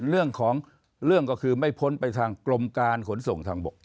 เรื่องของเรื่องก็คือไม่พ้นไปทางกรมการขนส่งทางบก